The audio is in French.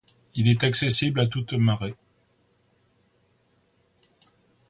Il est accessible à toutes marées.